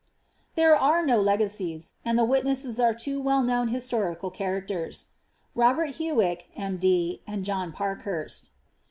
There are no legacies ; and tlie witnesses are two well known historical characters, Robert Huyck, M.D., and John Parkhurst.